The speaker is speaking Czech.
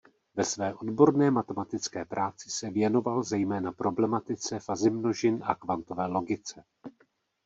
Ve své odborné matematické práci se věnoval zejména problematice fuzzy množin a kvantové logice.